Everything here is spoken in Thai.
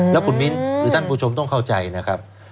แล้วคุณมิ้นหรือท่านผู้ชมต้องเข้าใจนะครับ